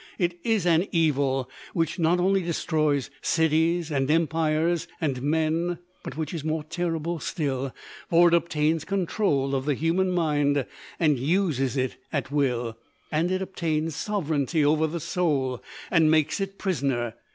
It is an Evil which not only destroys cities and empires and men but which is more terrible still for it obtains control of the human mind, and uses it at will; and it obtains sovereignty over the soul, and makes it prisoner.